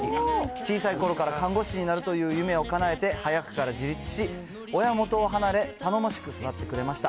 小さいころから看護師になるという夢をかなえて、早くから自立し、親元を離れ、頼もしく育ってくれました。